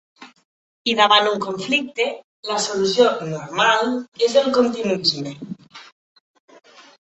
I davant un conflicte, la solució “normal” és el continuisme.